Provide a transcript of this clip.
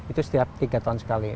itu setiap tiga tahun sekali